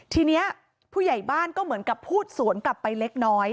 ทีนี้ผู้ใหญ่บ้านก็เหมือนกับพูดสวนกลับไปเล็กน้อย